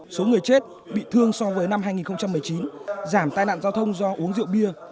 số người chết bị thương so với năm hai nghìn một mươi chín giảm tai nạn giao thông do uống rượu bia